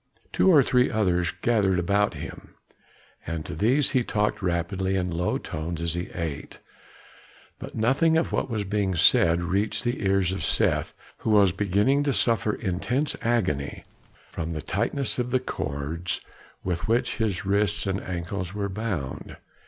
Two or three others gathered about him, and to these he talked rapidly in low tones as he ate; but nothing of what was being said reached the ears of Seth, who was beginning to suffer intense agony from the tightness of the cords with which his wrists and ankles were bound.